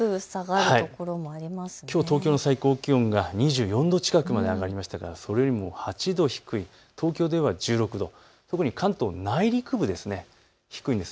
きょう東京の最高気温が２４度近くまで上がりましたがそれよりも８度低い、東京では１６度、特に関東内陸部低いんです。